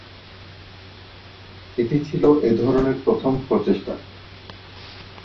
এটি ছিল এ ধরনের প্রথম প্রচেষ্টা।